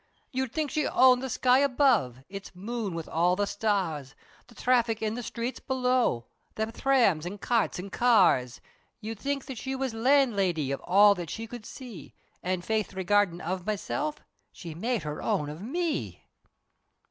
You'd think she owned the sky above, It's moon with all the stars, The thraffic in the streets below, Their thrams, an' carts, an' cars! You'd think that she was landlady, Of all that she could see, An' faith regardin' of meself, She made her own of me!